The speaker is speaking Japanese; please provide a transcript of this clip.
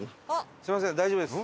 すみません大丈夫です。